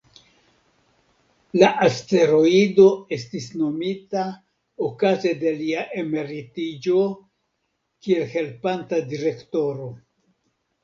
La asteroido estis nomita okaze de lia emeritiĝo kiel helpanta direktoro.